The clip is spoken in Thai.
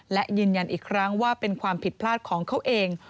และยืนยันอีกครั้งว่าเป็นความผิดพลาดของเขาเอง